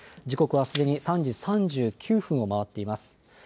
時刻はすでに３時３９分をまわっています。